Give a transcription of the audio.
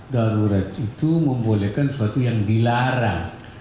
darurat itu membolehkan sesuatu yang dilarang